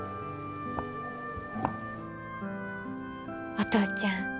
お父ちゃん